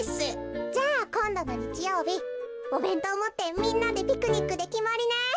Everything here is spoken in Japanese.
じゃあこんどのにちようびおべんとうをもってみんなでピクニックできまりね。